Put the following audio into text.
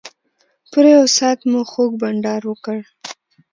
پوره یو ساعت مو خوږ بنډار وکړ.